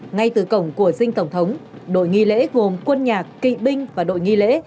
ngay từ cổng của dinh tổng thống đội nghi lễ gồm quân nhạc kỵ binh và đội nghi lễ